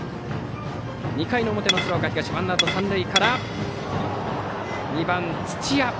２回表の鶴岡東ワンアウト、三塁から２番、土屋。